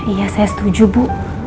iya saya setuju bu